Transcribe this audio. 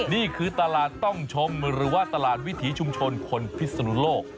นี่คือตลาดต้องชมหรือว่าตลาดวิถีชุมชนคนพิศนุโลก